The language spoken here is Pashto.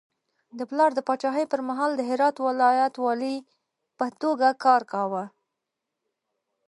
د پلار د پاچاهي پر مهال د هرات ولایت والي په توګه کار کاوه.